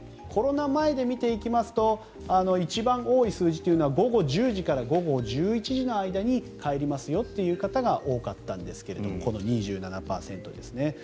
コロナ前で見ていきますと一番多い数字というのは午後１０時から午後１１時の間に帰りますよという方が多かったんですがこの２７％ですね。